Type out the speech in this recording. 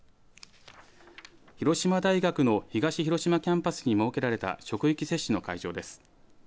広島大学の東広島キャンパスに設けられた職域接種の会場です。